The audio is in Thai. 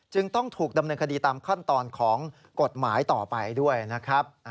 ต้องถูกดำเนินคดีตามขั้นตอนของกฎหมายต่อไปด้วยนะครับ